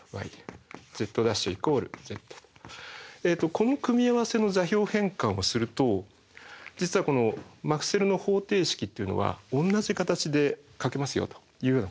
この組み合わせの座標変換をすると実はこのマクスウェルの方程式というのは同じ形で書けますよというようなことを発見します。